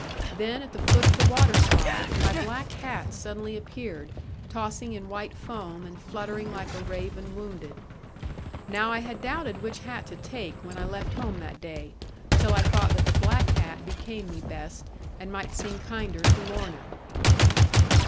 Then at the foot of the waterslide, my black hat suddenly appeared, tossing in white foam, and fluttering like a raven wounded. Now I had doubted which hat to take, when I left home that day; till I thought that the black became me best, and might seem kinder to Lorna.